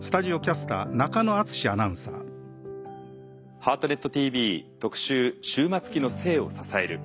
「ハートネットＴＶ特集“終末期”の生を支える」。